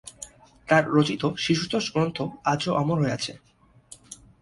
তার রচিত শিশুতোষ গ্রন্থ আজও অমর হয়ে আছে।